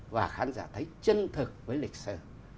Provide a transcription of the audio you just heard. và khán giả thấy chân thực với lịch sử